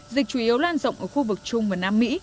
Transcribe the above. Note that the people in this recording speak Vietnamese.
dịch chủ yếu lan rộng ở khu vực trung và nam mỹ